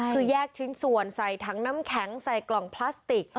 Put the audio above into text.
คือแยกชิ้นส่วนใส่ถังน้ำแข็งใส่กล่องพลาสติก